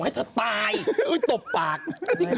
ข้าวใส่ไข่สด